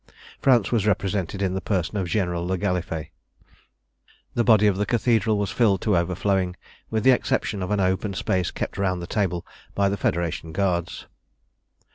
France was represented in the person of General le Gallifet. The body of the Cathedral was filled to overflowing, with the exception of an open space kept round the table by the Federation guards.